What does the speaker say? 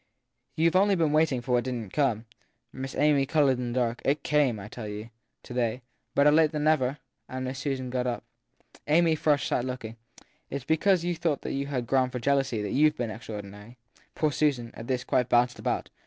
You ve only been waiting for what didn t come ? 268 THE THIRD PERSON Miss Amy coloured in the dusk. It came, as I tell you, to day/ Better late than never ! And Miss Susan got up. Amy Frush sat looking. It s because you thought you had ground for jealousy that you ve been extraordinary ? Poor Susan, at this, quite bounced about.